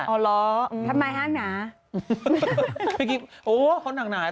อ๋อเหรอทำไมห้าน่าเพราะว่าเขาน่าก่อน